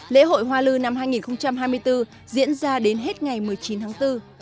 lễ hội hoa lư năm hai nghìn hai mươi bốn diễn ra đến hết ngày một mươi chín tháng bốn